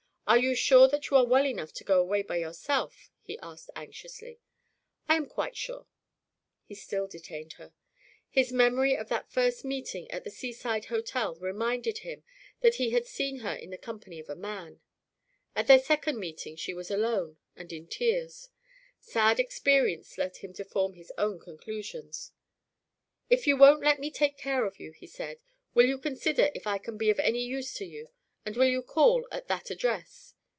"Are you sure that you are well enough to go away by yourself?" he asked anxiously. "I am quite sure!" He still detained her. His memory of that first meeting at the seaside hotel reminded him that he had seen her in the company of a man. At their second meeting, she was alone, and in tears. Sad experience led him to form his own conclusions. "If you won't let me take care of you," he said, "will you consider if I can be of any use to you, and will you call at that address?"